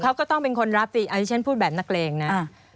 เขาก็ต้องเป็นคนรับสิอันนี้ฉันพูดแบบนักเลงนะ